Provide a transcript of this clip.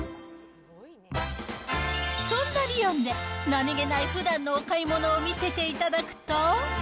そんなリヨンで、何気ないふだんのお買い物を見せていただくと。